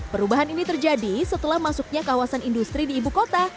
perubahan ini terjadi setelah masuknya kawasan industri di ibu kota